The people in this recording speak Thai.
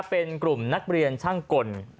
เป็นกลุ่มนักเรียนช่างกล